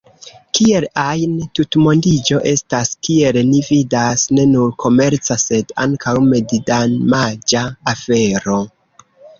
Kiel ajn, tutmondiĝo estas, kiel ni vidas, ne nur komerca sed ankaŭ medidamaĝa afero.